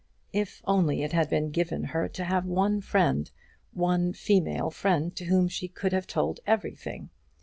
If only it had been given her to have one friend, one female friend to whom she could have told everything!